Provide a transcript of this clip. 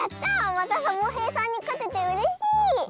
またサボへいさんにかててうれしい！